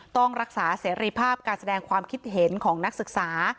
ต้องรักษาเสรีภาพการแสดงความคิดเห็นของนักศึกษา